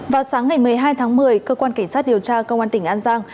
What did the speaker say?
vào sáng ngày một mươi hai tháng một mươi cơ quan cảnh sát điều tra công an tỉnh an giang